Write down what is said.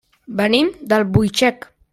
Venim d'Albuixec.